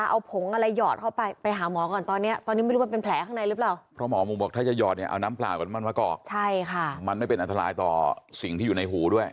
เออเดี๋ยวถอนพิธี